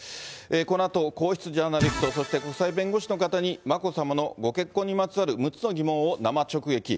このあと皇室ジャーナリスト、そして国際弁護士の方に眞子さまのご結婚にまつわる６つの疑問を生直撃。